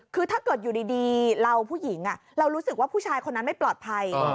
คือถ้าเกิดอยู่ดีเราผู้หญิงเรารู้สึกว่าผู้ชายคนนั้นไม่ปลอดภัย